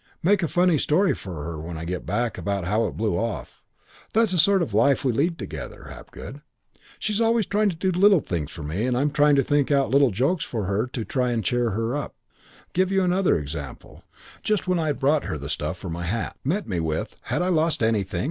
Make a funny story for her when I get back about how it blew off. That's the sort of life we lead together, Hapgood. She always trying to do little things for me and I trying to think out little jokes for her to try and cheer her up. Give you another example. Just when I had brought her the stuff for my hat. Met me with, Had I lost anything?